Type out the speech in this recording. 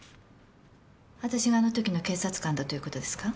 私があの時の検察官だという事ですか？